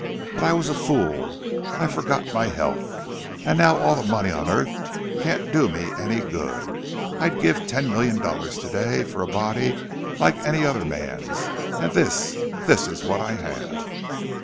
But I was a fool—I forgot my health. And now all the money on earth can't do me any good! I'd give ten million dollars to day for a body like any other man's—and this—this is what I have!"